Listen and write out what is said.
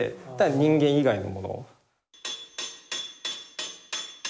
人間以外のもの。